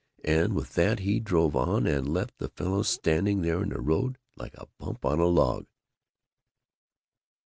and with that he drove on and left the fellow standing there in the road like a bump on a log!"